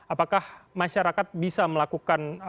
apakah masyarakat bisa melakukan